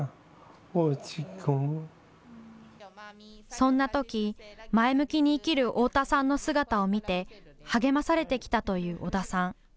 そんなとき前向きに生きる太田さんの姿を見て励まされてきたという小田さん。